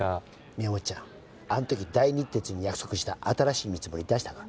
みやもっちゃんあん時大日鉄に約束した新しい見積もり出したか？